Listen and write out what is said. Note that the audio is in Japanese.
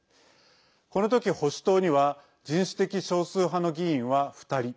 この時、保守党には人種的少数派の議員は２人。